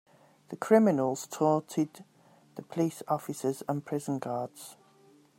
The criminals taunted the police officers and prison guards.